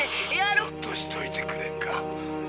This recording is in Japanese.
そっとしておいてくれんか。